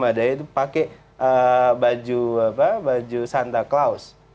ada yang pakai baju santa claus